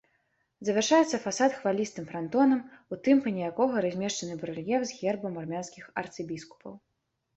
Завяршаецца фасад хвалістым франтонам, у тымпане якога размешчаны барэльеф з гербам армянскіх арцыбіскупаў.